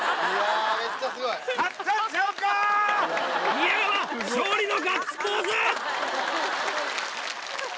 宮川勝利のガッツポーズ。